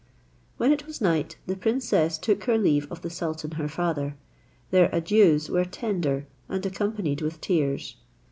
When it was night, the princess took her leave of the sultan her father: their adieus were tender, and accompanied with tears.